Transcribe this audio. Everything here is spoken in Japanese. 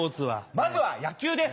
まずは野球です。